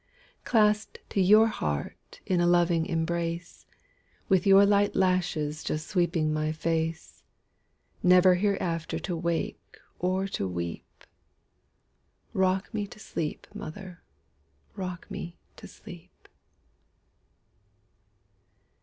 Clasped to your heart in a loving embrace, With your light lashes just sweeping my face, Never hereafter to wake or to weep;—Rock me to sleep, mother,—rock me to sleep!